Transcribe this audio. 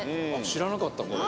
知らなかったね